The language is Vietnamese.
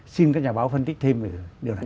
xin các nhà báo phân tích thêm về điều hành